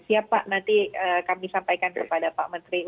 siap pak nanti kami sampaikan kepada pak menteri